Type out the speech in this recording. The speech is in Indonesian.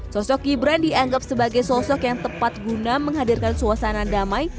sosok gibran dianggap sebagai sosok yang tepat guna menghadirkan suasana damai